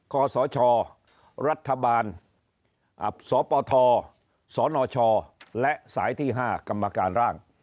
คศรัฐบาลสปทสนชและสายที่๕กรรมการร่าง